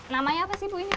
namanya apa sih bu ini bu